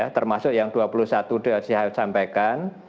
termasuk yang dua puluh satu sampaikan